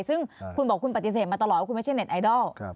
ซึ่งคุณบอกคุณปฏิเสธมาตลอดว่าคุณไม่ใช่เน็ตไอดอล